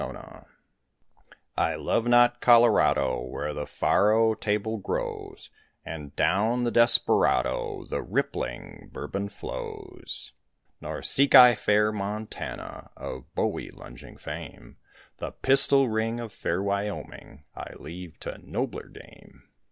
WESTWARD HO I love not Colorado Where the faro table grows, And down the desperado The rippling Bourbon flows; Nor seek I fair Montana Of bowie lunging fame; The pistol ring of fair Wyoming I leave to nobler game.